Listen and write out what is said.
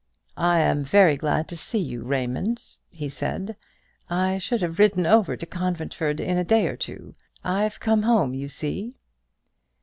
"I am very glad to see you, Raymond," he said. "I should have ridden over to Conventford in a day or two. I've come home, you see."